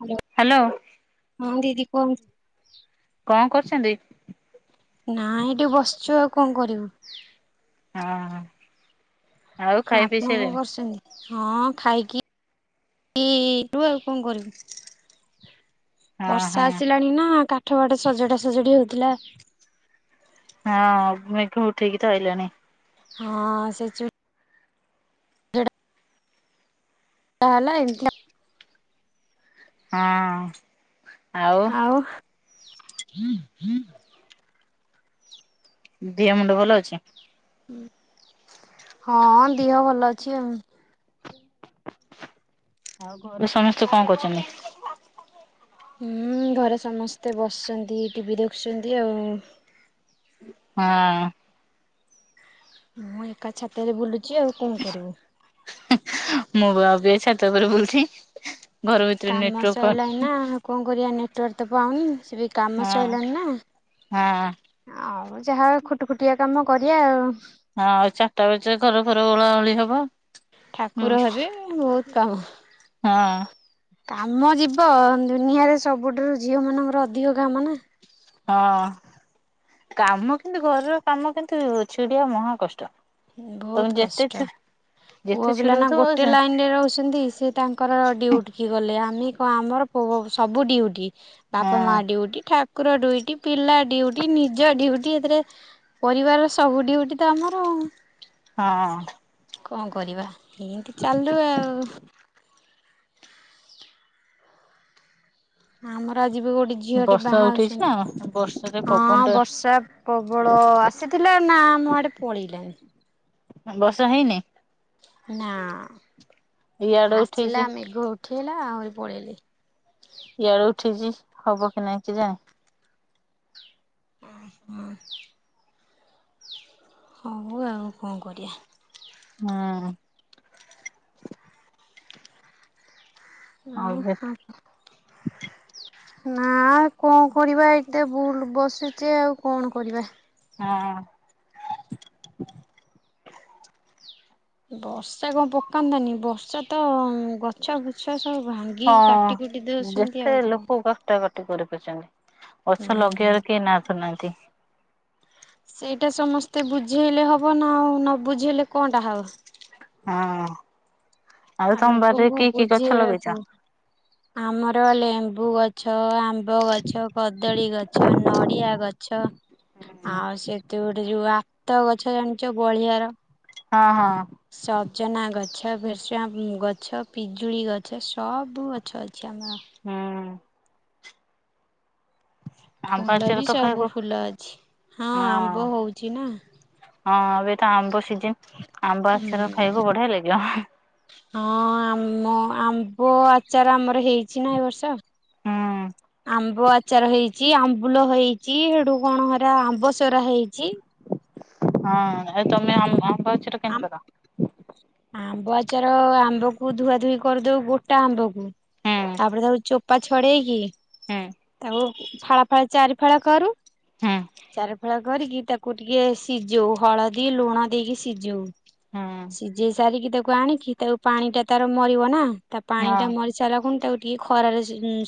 Hello ହଁ ଦିଦି କୁହନ୍ତୁ। କଣ କରୁଛନ୍ତି? ନାଇଁ ଏଇଠି ବସିଛୁ ଆଉ କଣ କରିବୁ। ହଁ ଆଉ ଖାଇ ପିଇ ଆପଣ କଣ ସାରିଲେଣି? କରୁଛନ୍ତି? ହଁ ଖାଇକି [unintelligible] ଆଉ କଣ କରିବୁ। ହଁ ବର୍ଷା ହଁ ଆସିଲାଣି ନା କାଠ-ବାଠ ସଜଡ଼ା ସଜଡ଼ି ହଉଥିଲା। ହଁ ମେଘ ଉଠେଇକି ତ ଆଇଲାଣି। ହଁ ସେ ଚୁ [unintelligible] ହେଲା ଏନ୍ତିଆ ହଁ ଆଉ। ଦିହ, ମୁଣ୍ଡ ଭଲ ଅଛି। ହଁ ଦିହ ଭଲ ଅଛି ଆଉ। ଆଉ ଘରେ ସମସ୍ତେ କଣ କରୁଛନ୍ତି? ହୁଁ ଘରେ ସମସ୍ତେ ବସଛନ୍ତି, ଟିଭିି ଦେଖୁଛନ୍ତି ଆଉ ହଁ। ମୁଁ ଏକା ଛାତରେ ବୁଲୁଛି ଆଉ କଣ କରିବୁ? ମୁଁ ପା ଅବିକା ଛାତ ଉପରେ ବୁଲୁଛି, ଘର ଭିତରେ କାମ ନେଟାୱର୍କ ପାଉନି। ସଇଲାଣି କଣ କରିବା ନେଟୱାର୍କ ତ ପାଉନି ସେ ବି କାମ ହଁ ସଇଲାଣି ନା। ହଁ ଆଉ ଯାହା ଖୁଟ ଖୁଟିଆ କାମ କରିଆ ଆଉ ‌। ହଁ ଚାରଟା ବାଜିଲେ ଘରଫର ଓଳା ଓଳି ହବ। ହୁଁ ଠାକୁର ହେବେ ବହୁତ କାମ। ହଁ। କାମ ଯିବ, ଦୁନିଆରେ ସବୁଠାରୁ ଝିଅ ମାନଙ୍କର ଅଧିକ କାମ ନା। ହଁ। କାମ କିନ୍ତୁ ଘରର କାମ କିନ୍ତୁ ଛିଡିଆ ମହାକଷ୍ଟ। ବହୁତ କଷ୍ଟ। ପୁଅ ଯେତେ ପିଲା ନା ଛିଡଉଥିବ ଗୋଟେ ସେ ଲାଇନ ରେ ରହୁଛନ୍ତି, ସିଏ ତାଙ୍କର ଡିୟୁଟିକି ଗଲେ। ଆମେ କଣ ଆମର ସବୁ ଡିଉଟି। ହଁ ବାପା ମା ଡିଉଟି ଠାକୁର ଡୁଇଟି ପିଲା ଡିଉଟି ନିଜ ଡିଉଟି ଏଥିରେ ପରିବାରର ସବୁ ଡିଉଟି ତ ଆମର। ହଁ। କଣ କରିବା ଏମତି ଚାଲୁ ଆଉ। ଆମର ଆଜି ବି ଗୋଟେ ଝିଅଟେ ବର୍ଷା ବାହା ଉଠେଇଛି ନା ହେଉଛନ୍ତି ବର୍ଷାରେ ପବନ ହଁ ଟା ବର୍ଷା ପ୍ରବଳ ଆସିଥିଲା ନା ଆମ ଆଡ଼େ ପଳେଇଲା। ବର୍ଷା ହେଇନି? ନା ଇଆଡେ ଉଠେଇଛି ଆସିଲା ଆମେ ମେଘ ଉଠେଇଲା ଆହୁରି ପଳେଇଲି। ଇଆଡୁ ଉଠିଛି ହବ କି ନାଇଁ କି ଜାଣି? [inaudible] ହଉ ଆଉ କଣ କରିବା। ହୁଁ। ଆଉ ହଁ। ନା କଣ କରିବା ଏତେ ଭୁଲ ବସୁଚେ ଆଉ କଣ କରିବା। ହଁ। ବର୍ଷା କଣ ପକାନ୍ତାନି ବର୍ଷା ତ ଗଛ ଫୁଛ ସବୁ ଭାନ୍ ହଁ ଯେତେ ଲୋକ କଷ୍ଟ କ କରିପାରୁଛନ୍ତି। ଗଛ ହୁଁ। ଲଗେଇବାରେ କେହି ନା ଧରୁନାହାନ୍ତି। ସେଇଟା ସମସ୍ତେ ବୁଝେଇଲେ ହେବ ନା ଆଉ ନ ବୁଝେଇଲେ କଣଟା ହବ। ହଁ ଆଉ ଆ ତମବାରରେ ଲୋକଙ୍କୁ କି କି ଗଛ ବୁଝେଇବାକୁ ଲଗେଇଛ? ଆମର ଲେମ୍ବୁ ଗଛ, ଆମ୍ବ ଗଛ, କଦଳୀ ଗଛ। ନଡିଆ ଗଛ ଆଉ ସେତ ଗୋଟେ ଯୋଉ ଆତ ଗ ଗଛ ଜାଣିଛ ବଳିଆର। ହଁ ହଁ। ସଜନା ଗଛ, ଭେସଙ୍ଗା ଗଛ, ପିଜୁଳି ଗଛ ସବୁ ଗଛ ଅଛି ଆମର। ହୁଁ। ଆମ୍ବ ଫୁଲ ଆଚାର ବି ତ ଖାଇବୁ ସବୁ ଫୁଲ ଅଛି ହଁ ଆମ୍ବ ହଉଛି ନା। ହଁ ଏବେ ତ ଆମ୍ବ ସିଜିନ୍। ଆମ୍ବ ଆଚାର ହୁଁ। ଖାଇବାକୁ ବଢିଆ ଲାଗିବ। ହଁ ଆମ ଆମ୍ବ ଆଚାର ଆମର ହେଇଛି ନା ଏ ବର୍ଷ। ଆମ୍ବ ଆଚାର ହେଇଛି ଆମ୍ବୁଲ ହେଇଛି ସେଠୁ କଣ ହେରା ଆମ୍ବ ସେରା ହେଇଛି। ହଁ ଆ ତମେ ଆମ୍ବ ଆଚାର ଆମ କେମିତି କର? ଆମ୍ବ ଆଚାର ଆମ୍ବକୁ ଧୁଆ ଧୁଇ କରିଦଉ ଗୋଟା ଆମ୍ବକୁ। ହୁଁ ତାପରେ ତାକୁ ଚୋପା ଛଡେଇକି ତାକୁ ଫାଳ ଫାଳ ଚାରି ଫାଳ କରୁ‌। ଚାରି ଫାଳ କରିକି ତାକୁ ଟିକେ ସିଝଉ ହଳଦୀ ଲୁଣ ଦେଇକି ସି ସିଯଉ। ହଁ। ସିଝେଇ ସାରିକି ତାକୁ ଆଣିକି ତାକୁ ପାଣି ଟା ତାର ମରିବ ନା ତା ପାଣି ଟା ମ ଚାଲ କଣ ତାକୁ ଟିକେ ଖରାରେ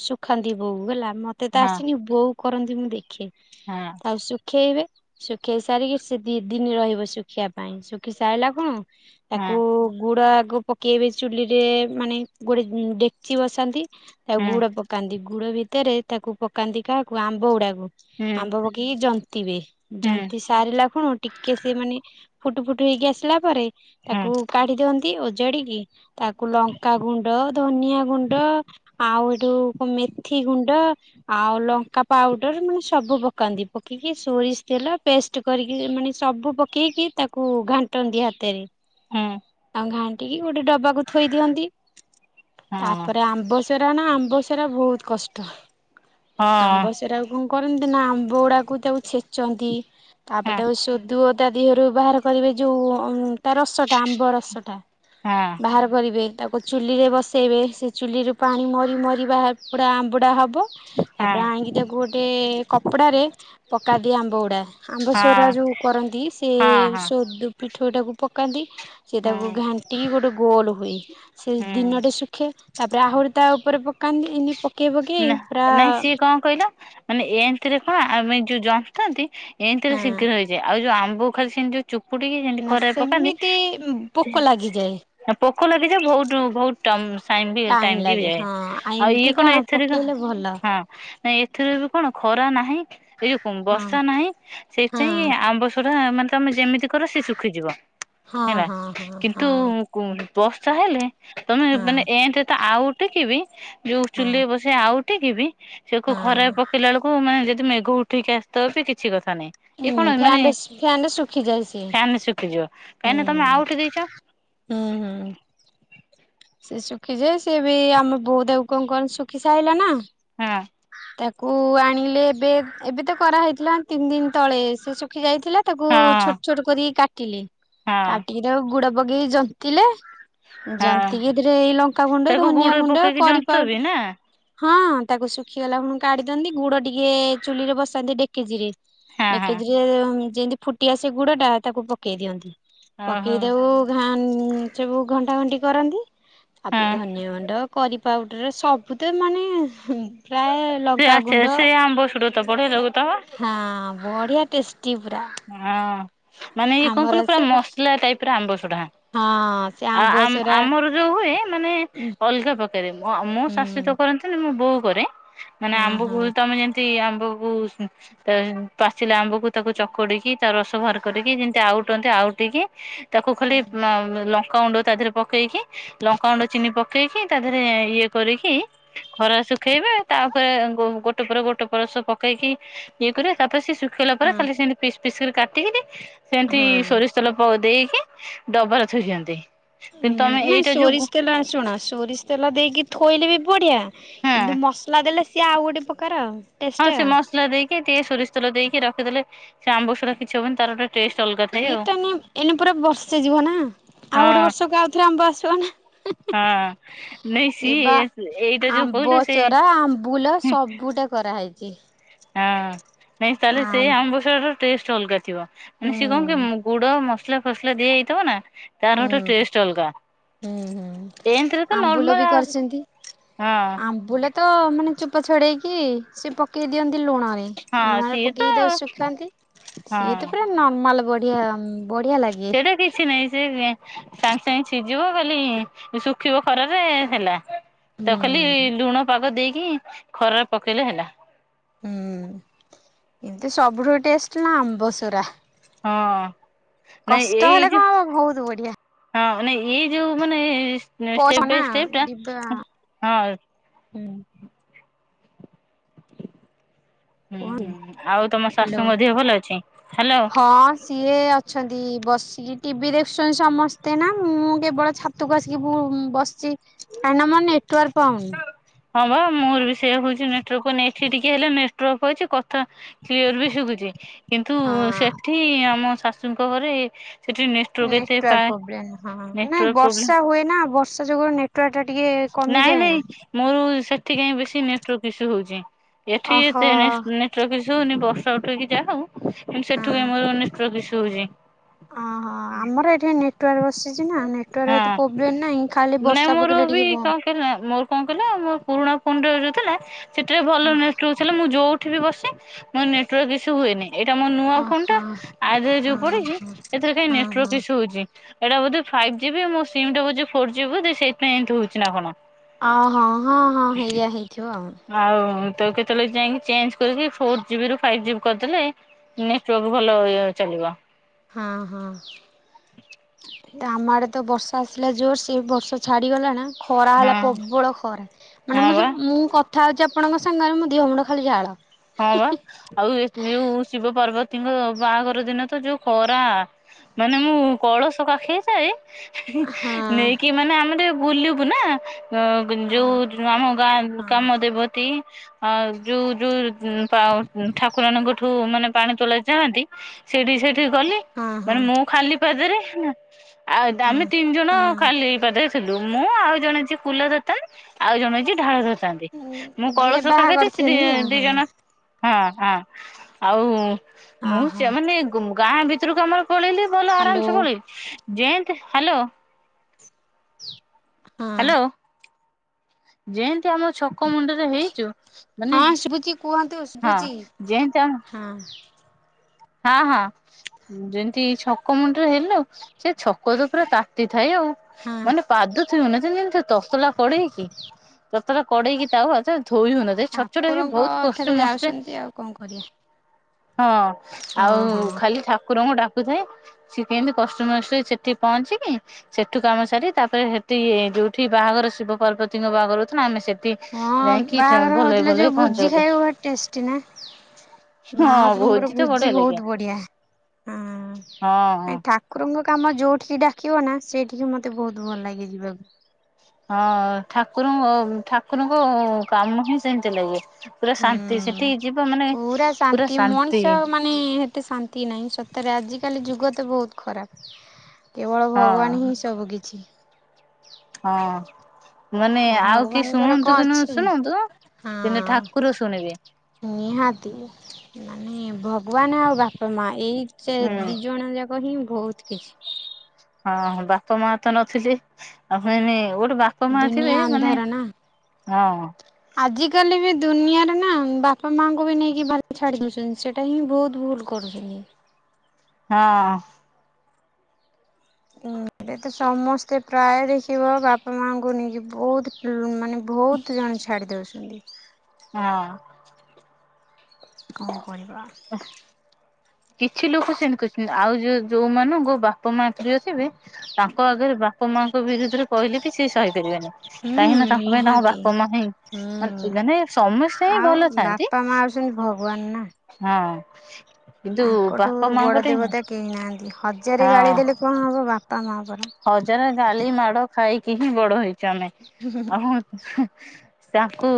ଶୁଖାନ୍ତି ବୋଉ ହେଲା ମତେ ତ ଆସିନି ବୋଉ କରନ୍ତି ମୁଁ ଦେଖେ ତାଉ ସେ ଶୁଖେଇବେ। ଶୁଖେଇ ସାରିକି ସେ ଦି ଦିନି ରହିବ ଶୁଖିବା ପାଇଁ ଶୁଖି ସାରିଲା କଣ। ତାକୁ ଗୁଡ ଆଗ ପକେଇବେ ଚୁଲି ରେ ମାନେ ଗୋଟେ ଡେକଚି ବସାନ୍ତି। ତାକୁ ଗୁଡ ପକାନ୍ତି ଗୁଡ ଭିତରେ ତାକୁ ପକାନ୍ତି କାହାକୁ। କୁ ଆମ୍ବ ଗୁଡାକୁ ଆମ୍ବ ପକେଇକି ଜନ୍ତିବେ ଜନ୍ତି ସାରିଲା ଖୁଣ ଟିକେ ସି ମାନେ ଫୁଟୁ ଫୁଟୁ ହେଇକି ଆସିଲା ପରେ ତାକୁ କାଢି ଦିଅନ୍ତି ଓଜାଡିକି ତାକୁ ଲଙ୍କା ଗୁଣ୍ଡ, ଧନିଆ ଗୁଣ୍ଡ ଆଉ ଏଠୁ ମେଥି ଗୁଣ୍ଡ ଆଉ ଲଙ୍କା ପାଉଡର ମାନେ ସବୁ ପକାନ୍ତି ପକେଇକି ସୋରିଷ ତେଲ ପେଷ୍ଟ କରିକି ମାନେ ସବୁ ପକେଇକି ତାକୁ ଘାଣ୍ଟନ୍ତିି ହାତରେ। ହଁ। ଆଉ ଘାଣ୍ଟିକି ଗୋଟେ ଡବାକୁ ଥୋଇ ଦିଅନ୍ତି ତାପରେ ଆମ୍ବସ୍ ସେରା ନା ଆମ୍ବ ସେରା ବହୁତ କଷ୍ଟ ଆମ୍ବ ସେଟାକୁ କଣ କରନ୍ତି ନା ଆମ୍ବ ଗୁଡାକୁ ତାକୁ ଛେଚନ୍ତି ତାପରେ ତାକୁ ସୋଦୁଅ ତା ଦିହରୁ ବାହାର କରିବେ ଯେଉଁ ଉନ୍ ତା ରସଟା ଆମ୍ବ ରସଟା ବାହାର କରିବେ ତାକୁ କୁ ଚୁଲିରେ ବସାଇବେ ସେ ଚୁଲିରୁ ପାଣି ମରି ମରିବା ପୁରା ଆମ୍ବୁଡ଼ା ହେବ ତାପରେ ଆଣିକି ତାକୁ ଗୋଟେ କପଡାରେ ପକା ଦିଏ ଆମ୍ବ ଗୁଡା ଆମ୍ବ ସରା ଯୋଉ କରନ୍ତି ସେ ହଁ ହଁ ଉଦୁ ପିଠଉ ଟାକୁ ପକାନ୍ତି। ସେ ତାକୁ ହୁଁ ଘାଣ୍ଟିକି ଗୋଟେ ଗୋଲ ହୁଏ ସେ ହୁଁ ଦିନଟେ ଶୁଖେ ତାପରେ ଆହୁରି ତା ଉପରେ ପକାନ୍ତି ଏନି ପକେଇ ନା ପକେଇ ପୁରା ନାଇଁ ସିଏ କଣ କହିଲ ମାନେ ଏମତିରେ କଣ ଆମେ ଯୋଉ ଜନ୍ତନ୍ତି ଏମତିରେ ହଁ ଶୀଘ୍ର ହେଇଯାଏ ଆଉ ଯୋଉ ଆମ୍ବ ଖାଲି ସେମତି ଯୋଉ ଚୁପୁଡିକି ସେତି ନା ଖରାରେ ପକାନ୍ତି ସେମିତି ପୋକ ଲାଗିଯାଏ ସେ ପୋକ ଲାଗିଯାଏ ବହୁତ ବହୁତ ଟ ଟାଇମ ବି ଲାଗେ ଯାଏ ହଁ ଆଉ ଇଏ ଏମିତି କଣ ଏ ଏଥିରେ ପକେଇଲେ ଭଲ ହଁ ନାଇଁ ଏଥିରେ ବି କଣ ଖରା ନାହିଁ ଏ ଯୋଉ ହଁ ବର୍ଷା ନାହିଁ ସେଇପାଇଁ ହଁ କି ଆମ୍ବସରା ମାନେ ତମେ ଯେମିତି କର ସେ ଶୁଖିଯିବ। ହଁ ହେଲା ହଁ ହଁ କିନ୍ତୁ ହଁ ବର୍ଷା ହେଲେ ତମେ ମାନେ ଏମତି ତ ଆଉ ଟିକିବି ଯୋଉ ହଁ ହଁ ଚୁଲି ବ ନେଉଟିକି ବି ଉଠିକି ବି ସେ କ ଖରା ହଁ। ପକେଇଲା ବେଳକୁ ମାନେ ଯଦି ମେଘ ଉଠେଇକି ଆସିଥିବ ବି କିଛି କଥା ନହିଁ। ଇଏ ହୁଁ କଣ ମାନେ ଫ୍ୟାନରେ ଫ୍ୟାନରେ ଶୁଖିଯାଏ ସିଏ। ଫ୍ୟାନରେ ଶୁଖିଯିବ କାହିଁକି ନା ତମେ ହୁଁ ଆଉଠି ଦେଇଛ। ହୁଁ ହୁଁ। ସେ ଶୁଖିଛି ସିଏ ବି ଆମ ବୋଉ କଣ କ ଶୁଖି ସାରିଲା ନା ହଁ। ତାକୁ ଆଣିଲେ ଏବେ ଏବେ ତ କରାହୋଇଥିଲା ତିନି ଦିନ ତଳେ ସେ ଶୁଖି ଯାଇଥିଲେ ତାକୁ ହଁ ଛୋଟ ଛୋଟ କରିକି କାଟିଲି ହଁ। କାଟିକି ତାକୁ ଗୁଡ ପକେଇ ଜନ୍ତିଲେ ଜନ୍ତିଲି ହଁ ଏଥିରେ ଏଇ ଲଙ୍କାଗୁଣ୍ଡ, ତାକୁ ଧନିଆ ଗୁଡ ଗୁଣ୍ଡ, ପକେଇକି କରିପାଉଡର୍ ଜନ୍ତବି ନା ହଁ ତାକୁ ଶୁଖିଗଲା ପୁଣି କାଢି ଦିଅନ୍ତି ଗୁଡ ଟିକେ ଚୁଲି ରେ ବସାନ୍ତି ଡେକେଜିି ରେ ହଁ ହଁ ଏକେଦରେ ଯେମିତି ଫୁଟିଆ ସେ ଗୁଡ ଟା ତାକୁ ପକେଇ ଦିଅନ୍ତି। ଓହୋ ପକେଇଦବୁ ଘା ସବୁ ଘଣ୍ଟା ଘଣ୍ଟି କରନ୍ତି। ତାପରେ ହଁ ଧନିଆ ଗୁଣ୍ଡ କରିପଉଡର ସବୁ ତ ମାନେ ପ୍ରାୟ ସେ ଆ ଲଙ୍କାଗୁଣ୍ଡ ସ୍ ଆମ ବସୁଡୁ ତ ବଢ଼ିଆ ଲାଗୁ ଥିବ? ହଁ ବଢ଼ିଆ ଟେଷ୍ଟି ପୁରା। ହଁ ମାନେ ଇଏ କଣ ଆମର କହିଲୁ ପୁରା ସେ ମସଲା ଟାଇପ ର ଆମ୍ବ ସଡା। ହଁ ସେ ଆ ଆମ୍ବ ଆ ସରା ଆମର ଯୋଉ ହୁଏ ମାନେ ହୁଁ ଅଲଗା ପକା ମୁଁ ଶାଶିତ କରନ୍ତିନି ମୁଁ ବୋଉ କରେ ମାନେ ହଁ ଆମ୍ବ ହଁ ତମେ ଯେମି ଆମ୍ବକୁ ପାଚିଲା ଆମ୍ବକୁ ତାକୁ ଚକଠିକ୍ କୋରିକି ତା ରସ ବାହାର କରିକି ଯେମିତି ଆଉଟନ୍ତି ଆଉଠିକି ତାକୁ ଖାଲି ଲ ଲଙ୍କାଗୁଣ୍ଡ ତା ଦେହରେ ପକେଇକି ଲଙ୍କାଗୁଣ୍ଡ ଚିନି ପକେଇକି ତା ଦେହରେ ଇଏ କରିକି ଖରା ଶୁଖେଇବେ ତାପରେ ଗୋଟେ ପରେ ଗୋଟେ ପରସ ପକେଇକି ଇଏ କର ତାପରେ ସେ ଶୁଖେଇଲା ପରେ ହଁ ଖାଲି ସେ ପିସ୍ ପିସ୍ କରି କାଟିକି ସେମତି ହଁ। ସୋରିଷ ତେଲ ପ ଦେଇକି ଡବାରେ ଥୋଇଦିଅନ୍ତି। ହଁ ନାଇଁ ସୋରିଷ ତେଲ ଶୁଣ ସୋରିଷ ତେଲ ଦେଇକି ଥୋଇଲେ ବି ବଢିଆ ହଁ କିନ୍ତୁ ମସଲା ଦେଲେ ସିଏ ଆଉ ଗୋଟେ ପ୍ରକାର ଆ ହଁ ସେ ମସଲା ଦେଇକି ଟିକେ ସୋରିଷ ତେଲ ଦେଇକି ରଖିଦଲେ ସେ ଆମ୍ବ ସୁୁରା କିଛି ହବନି ତାର ଗୋଟେ ଟେଷ୍ଟ ଅଲଗା ଥାଏ ଆଉ ଇଏଟ ଏନ ପୁରା ବର୍ଷେ ଯିବ ନା ଆଉ ଗୋଟେ ହଁ ବର୍ଷକୁ ଆଉଥରେ ଆମ୍ବ ଆସିବ ନା? ହଁ ନାଇଁ ସେ ସିଏ ବା ଏଇଟା ଯୋଉ କହିଲୁ ଆମ୍ବ ସେ ସରା ଆମ୍ବୁଲ ସବୁଟା କରା ହେଇଛି। ହଁ ନାଇଁ ତାହେଲେ ସେ ଆମ୍ବସଡାର ଟେଷ୍ଟ ଅଲଗା ଥିବ। ମାନେ ହୁଁ ସିଏ କଣ କି ଗୁଡ ମସଲା ଫସଲା ଦିଆ ହେଇଥିବ ନା ତାର ହୁଁ ଗୋଟେ ଟେଷ୍ଟ ଅଲଗା। ହୁଁ ହୁଁ ଏମିତି ରେ ତ ଆମ୍ବୁଲ ବି ନର୍ମାଲ କରିଛନ୍ତି। ହଁ। ଆମ୍ବୁଲ ତ ମାନେ ଚୁପା ଛଡ଼େଇକି ସେ ପକେଇ ଦିଅନ୍ତି ଲୁଣରେ। ହଁ ଲୁଣରେ ସିଏ ତ ପକେଇକି ତାକୁ ଶୁଖାନ୍ତି ସିଏ ତ ହଁ ପୁରା ନର୍ମାଲ୍ ବଢ଼ିଆ ଉମ୍ [unintelligible] କିଛି ନାହିଁ ସେ ସାଙ୍ଗେ ସାଙ୍ଗେ ଛିଝିବ ଖାଲି ଶୁଖିବ ଖରାରେ ଏ ହେଲା। ହୁଁ ତ ଖାଲି ଲୁଣ ପାଗ ଦେଇକି ଖରାରେ ପକେଇଲେ ହେଲା। ହୁଁ କିନ୍ତୁ ସବୁଠୁ ଟେଷ୍ଟ ନା ଆମ୍ବସରା। ହଁ ନାଇଁ କଷ୍ଟ ଏଇ ହେଲେ ଜ କଣ ହବ ବହୁତ ବଢିଆ। ହଁ ମାନେ ଏଇ ଯୋଉ ମାନେ ପଇସା ଷ୍ଟେପ୍ ନା ବାଇ ଷ୍ଟେପ୍ ଟା ହଁ ହୁଁ। ହୁଁ କୁହନ୍ତୁ। ହୁଁ ଆଉ ତମ ହ୍ୟାଲୋ। ଶାଶୁଙ୍କ ଦେହ ଭଲ ଅଛି, ହ୍ୟାଲୋ। ହଁ ସିଏ ଅଛନ୍ତି ବସ୍ ଟିଭି ଦେଖୁସନ୍ ସମସ୍ତେ ନା ମୁଁ କେବଳ ଛାତକୁ ଆସିକି ବୁ ବସଛି। କାହିଁକିନା ମୋର ନେଟୱାର୍କ ପାଉନି। ହଁ ବା ମୋର ବି ସେୟା ହଉଛି ନେଟୱର୍କ୍ ଏଠି ପାଉଛି ଟିକେ ହେଲେ ନେଟାୱର୍କ୍ ଅଛି କଥା କ୍ଲିୟର ବି ଶୁଭୁଛି କିନ୍ତୁ ହଁ। ସେଠି ଆମ ଶାଶୁଙ୍କ ଘରେ ସେଠି ଏତେ ନେଟୱାର୍କ ପାଏ ପ୍ରୋବ୍ଲେମ୍ ହଁ ନାଇଁ ନେଟୱାର୍କ ପ୍ରୋବ୍ଲେମ ବର୍ଷା ହୁଏ ନା ବର୍ଷା ଯୋଗୁ ନେଟୱାର୍ ଟା ଟିକେ ନାଇଁ କମିଯାଏ ନାଇଁ ନା। ମୋର ସେଠି କାଇଁ ବେଶୀ ନେଟୱାର୍କ ଇସ୍ୟୁ ହୋଉଚି। ଏଠି ଓହୋ। ସେ ନେସ୍ ନେ ନେଟୱର୍କ ଈଶୁ ହଉନି ବର୍ଷା ଉଠେଉକି ଯାହା ହଉ କିନ୍ତୁ ହଁ ସେଠୁ ମୋର ନେଟୱର୍କ ଈସୁ ହଉଛି। ଅହ ଆମର ଏଠି ନେଟୱାର୍କ ବସିଛି ନା ନେ ଟେୱାରେ ଏତେ ହଁ। ପୋବ୍ଲେମ୍ ନାଇଁ ଖାଲି ବର୍ଷା ପକେଇଲେ ଟିକେ ବନ୍ଦ। ହିନେ ମୋର କଣ କହିଲ ମୋ ପୁରୁଣା ଫୋନ ଯୋ ଯୋଉ ଥିଲା ସେଥିରେ ଭଲ ନେଟୱା ସେଲେ ମୁଁ ଯଉଠି ବି ବସେ ମୋ ନେଟୱାର୍କ ଇସୁ ହୁଏନି। ଏଇଟା ମୋ ନୂଆ ଫୋନ ଟା ଓହୋ ଆ ଯେ ଯୋଉ ହଁ ପଡ଼ିକି ଏଥିରେ କାଇଁ ହଁ ହଁ। ନେଟୱାର୍କ ଇସୁ ହୋଉଚି। ଏଇଟା ବୋଧେ ଫାଇବ୍ ଜି ବି ମୋ ସିମ ଟା ବୋଯେ ଫୋର ଜିବି ବୋଦେ ସେଇଥିପାଇଁ ଏମିତି ହଉଛି ନା କଣ। ଓହଁ ହଁ ହଁ ହେଇଆ ହେଇଥିବ ଆଉ। ଆଉ ତ କେତେବେଳେ ଯାଇଙ୍କ୍ ଚେଞ୍ଜ୍ କରିକି ଫୋର୍ ଜିବ ରୁ ଫାଇଭ ଜିବ କରିଦେଲେ ନେଟୱାର୍ ସୁ ଭଲ ଇଏ ଚାଲିବ। ହଁ ହଁ। ତାମ ଆଡ଼େ ତ ବର୍ଷା ଆସିଲା ଜୋର୍ ସେ ବର୍ଷା ଛାଡ଼ିଗଲାଣା ଖରା ହେଲା ହଁ ପବଳ ଖରା ମାନେ ହଁ ମୁଁ ବା ଯଉ ମୁଁ କ ଥା ହେଉଛି ଆପଣଙ୍କ ସାଙ୍ଗରେ ମୁଁ ଦିହ ମୁଣ୍ଡ ଖାଲି ଝାଳ। ହଁ ବା ଆଉ ଏ ଏଉ ଶିବ ପାର୍ବତୀଙ୍କ ବାହାଘର ଦିନ ତ ଯୋଉ ଖରା। ମାନେ ମୁଁ କଳସ କାଖେଇ ଥାଏ ହଁ ନେଇକି ମାନେ ଆମେ ଟିକେ ବୁଲିବୁ ନା ଅ ହଁ ଯୋଉ ଯୋ ଆମ ଗାଁ ଗାମ ଦେବତୀ ଆ ଯୋଉ ଯୋଉ ପାଉ ଠାକୁରାଣି ଙ୍କଠୁ ମାନେ ପାଣି ତୋଳାଇ ଯାଆନ୍ତି ସେଠି ସେଠି ଗଲି ହଁ ହଁ। ମାନେ ମୁଁ ଖାଲି ପାଦେରେ ଆଉ ଦା ହଁ ଆମେ ତିନି ଜଣ ହଁ। ଖାଲି ପାଦେ ଥିଲୁ ମୁଁ ଆଉ ଜଣେ ଯିଏ କୁଲା ଧରିଥାଏ ଆଉ ଜଣେ ଯିଏ ଢ଼ାଳ ଧର୍ ଥାନ୍ତି ମୁଁ ଯିଏ କଳସ କାଖେଇ ବାହାଘର ଥାଏ ସେ ଦି ଥିନି ଦି ଆଉ। ଜଣ ହଁ ହଁ ଆଉ ମୁଁ ଓହୋ। ସେ ମାନେ ଗାଁ ଭିତରକୁ ଆମର ପଳେଇଲେ ଭଲ ହ୍ୟାଲୋ ଆରାମ ସେପଳି ଯେମ୍ତି ହ୍ୟାଲୋ ହ୍ୟାଲୋ ଯେନ୍ତି ଆମ ଛକ ମୁଣ୍ଡ ରେ ହେଇଛୁ ମାନେ ହଁ ଶୁଭୁଛି କୁହନ୍ତୁ ହଁ ଶୁଭୁଛି। ଯେମ୍ତି ଆମେ ହଁ। ହଁ ହଁ ଯେମିତି ଛକ ମୁଣ୍ଡରେ ହେଲୁ ସେ ଛକ ତ ପୁରା ତାତି ଥାଇ ଆଉ। ହଁ। ମାନେ ପାଦ ଛୁଇଁବୁନି ଯେମିତି ଏମି ତସଲା କଡ଼େଇକି। ତତଲା କଡ଼େଇକି ତାୱା ସେ ଧୋଇ ହଉନ ଛଟ୍ ଛଟ୍ ହେଇକି ବୋହୁତ୍ କଷ୍ଟେ ମଷ୍ଟେ କଅଁ କରିଆ? ହଁ ଆଉ ହଁ। ଖାଲି ଠାକୁରଙ୍କୁ ଡାକୁଥାଏ ସିଏ କେମତେ କଷ୍ଟମଷ୍ଟ ସେଠି ପହଞ୍ଚିକି ସେଠୁ କାମ ସାରି ତାପରେ ସେଠି ଯୋଉଠି ବାହାଘର ଶିବ ପାର୍ବତୀଙ୍କ ବାହାଘର ହଉଥିଲା ନା ଆମେ ସେଠି ହଁ ଯାଇକି ବାହାଘର ଭଲରେ ହଉଥିଲା ଭଲରେ ଯୋଉ ଭୋଜି ପହଞ୍ଚିଗଲୁ। ଖାଇବା ଟେଷ୍ଟି ନା? ହଁ ମାହାପ୍ରଭୁଙ୍କର ତ ଭୋଜି ବଢିଆ ଲାଗେ ବହୁତ ବଢିଆ ହଁ ଠାକୁରଙ୍କ କାମ ଯୋଉଠିକି ଡାକିବ ନା ସେଇଠିକି ମତେ ବହୁତ ଭଲ ଲାଗେ। ହଁ ଠାକୁରଙ୍କ ଠାକୁରଙ୍କ କାମ ହିଁ ସେମିତି ଲାଗେ। ପୁରା ଶାନ୍ତି ହୁଁ ସେଠିକି ଯିବ ମାନେ ପୁରା ପୁରା ମଣିଷ ଶାନ୍ତି ମାନେ ଏତେ ଶାନ୍ତି ନାହିଁ ସତରେ ଆଜିକାଲି ଯୁଗ ତ ବହୁତ ଖରାପ କେବଳ ହଁ ଭଗବାନ ହିଁ ସବୁ କିିଛି ହଁ। ମାନେ ଆଉ କିଏ ଭଗବାନଙ୍କର ଶୁଣନ୍ତୁ କଣ କି ନ ଅଛି? ଶୁଣନ୍ତୁ କିନ୍ତୁ ହଁ ଠାକୁର ଶୁଣିବେ। ନିହାତି ମାନେ ଭଗବାନ ଆଉ ବାପା ମା ଏଇ ସେ ହୁଁ ଦି ଜଣ ଯାକ ହିଁ ବହୁତ କିଛି ହଁ ବାପା ମା ତ ନଥିଲେ ଆଉ [inaudible] ବାପ ମା ଦୁନିଆ ଥିବେ ମାନେ ଅନ୍ଧାର ନା। ହଁ ଆଜିକାଲି ବି ଦୁନିଆରେ ନା ବାପା ମାଙ୍କୁ ବି ନେଇକି ଭା ଛାଡି ଦଉଛନ୍ତି ସେଟି ଏଇଟା ହିଁ ବହୁତ ଭୁଲ କରୁଛନ୍ତି। ହଁ। ଏ ତ ସମସ୍ତେ ପ୍ରାୟ ଦେଖିବ ବାପା ମାଙ୍କୁ ନେଇକି ବହୁତ ମାନେ ବହୁତ ଜଣ ଛାଡ଼ି ଦଉଛନ୍ତି ହଁ। କଣ କରିବା? [inaudible] କିଛି ଲୋକ ସେମିତି କରିଛନ୍ତି ଆଉ ଯୋଉ ଯୋଉ ମାନଙ୍କୁ ବାପା ମା ପ୍ରିୟ ଥିବେ ତାଙ୍କ ଆଗରେ ବା ବାପ ମାଆଙ୍କ ବିରୁଦ୍ଧ ରେ କହିଲେ ବି ସେ ସହିପାରିବେନି ହୁଁ କାହିଁକି ନା ତାଙ୍କ ପାଇଁ ତାଙ୍କ ନିହାତି ବାପା ମା ହିଁ ହୁଁ। ମାନେ ସମସ୍ତେ ହିଁ ଆଉ ଭଲ ଥାଆନ୍ତି ବାପା ମା ହଉଛନ୍ତି ଭଗବାନ ନା। ହଁ କିନ୍ତୁ ତାଙ୍କଠୁ ବାପା ମାଙ୍କୁ ବଡ ଟିକେ ଦେବତା କେହି ନାହାନ୍ତି ହଜାରେ ଗାଳି ହଁ ଦେଲେ କଣ ହବ ବାପା ମା ପରା ହଜାରେ ଗାଲି ମାଡ ଖାଇକି ହିଁ ବଡ ହେଇଛୁ ଆମେ ଆଉ ତାଙ୍କୁ